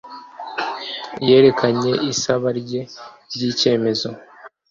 yerekanye isaba rye ry icyemezo